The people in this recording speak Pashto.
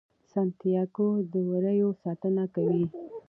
سانتیاګو د وریو ساتنه کوي.